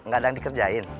gak ada yang dikerjain